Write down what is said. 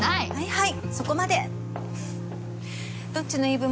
はい。